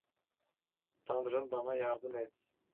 Tanrım bana yardım et.